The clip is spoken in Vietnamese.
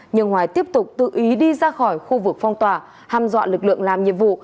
nhưng hoài tiếp tục tự ý đi ra khỏi khu vực phong tỏa ham dọa lực lượng làm nhiệm vụ